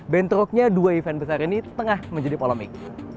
bentroknya dua event besar ini tengah menjadi polemik